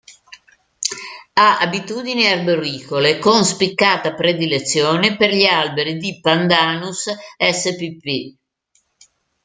Ha abitudini arboricole, con spiccata predilezione per gli alberi di "Pandanus" spp.